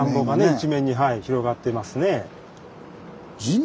一面に広がっていますね。